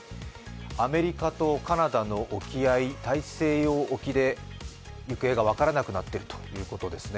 アメリカとカナダの沖合大西洋沖で、行方が分からなくなっているということですね。